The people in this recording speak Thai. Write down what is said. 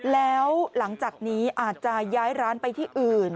แล้วหลังจากนี้อาจจะย้ายร้านไปที่อื่น